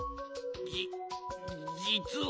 じじつは。